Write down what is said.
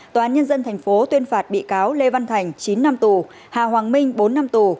tòa án nhân dân tp tuyên phạt bị cáo lê văn thành chín năm tù hà hoàng minh bốn năm tù